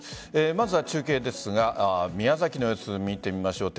まずは中継ですが宮崎の様子、見てみましょう。